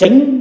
và đồng hành